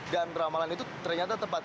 ramalan itu ternyata tepat